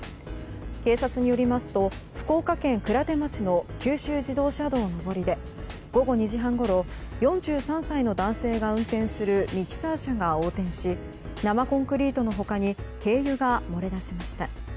警察によりますと福岡県鞍手町の九州自動車道上りで午後２時半ごろ４３歳の男性が運転するミキサー車が横転し生コンクリートの他に軽油が漏れ出しました。